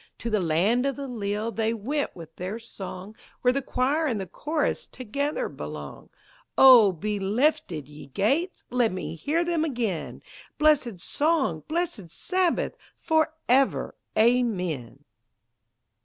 To the land of the leal they went with their song, Where the choir and the chorus together belong; O, be lifted, ye gates! Let me hear them again Blessed song, blessed Sabbath, forever, amen!